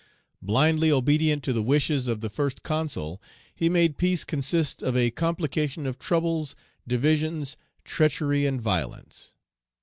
Blindly obedient to the wishes of the First Consul, he made peace consist of a complication of troubles, divisions, treachery, and violence.